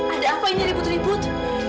ada apa ini ribut ribut